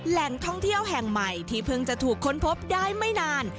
แหล่งท่องเที่ยวแห่งใหม่ที่เพิ่งจะถูกค้นพบได้ไม่นาน